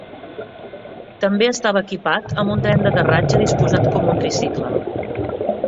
També estava equipat amb un tren d'aterratge disposat com un tricicle.